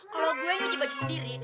kalau gue nyuci baju sendiri